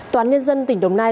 toán nhân dân tỉnh đồng nai